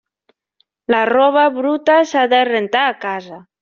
La roba bruta s'ha de rentar a casa.